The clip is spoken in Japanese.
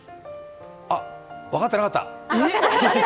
分かってなかった！